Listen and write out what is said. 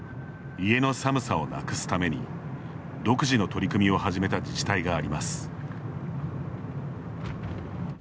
家の寒さをなくすために独自の取り組みを始めた自治体があります。